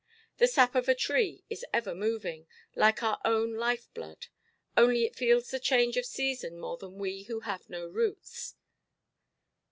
The sap of a tree is ever moving, like our own life–blood; only it feels the change of season more than we who have no roots.